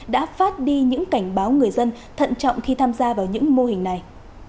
đã phát đi những cảnh báo người dân thận trọng khi tham gia vào những mô hình này